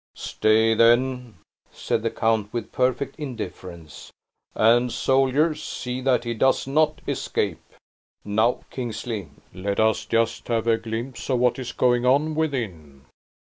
"Stay, then!" said the count, with perfect indifference. "And, soldiers, see that he does not escape! Now, Kingsley, let us just have a glimpse of what is going on within."